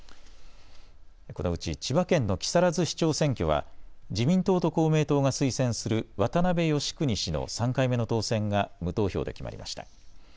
このうち千葉県の木更津市長選挙は自民党と公明党が推薦する渡辺芳邦氏の３回目の当選が無投票で決まりました。